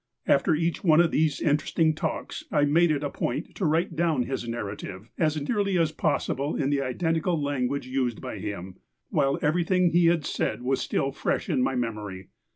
After each one of these interesting talks, I made it a point to write down his narrative, as nearly as possible in the identical language used by him, while everything he had said was still fresh in my memory.